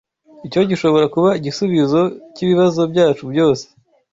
Icyo gishobora kuba igisubizo cyibibazo byacu byose.